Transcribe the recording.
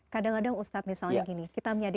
kadang kadang ustadz misalnya gini